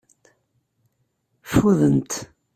Ffudent.